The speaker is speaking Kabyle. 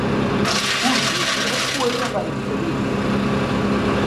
Ur d-yusi akk waya ɣer lbal-inu.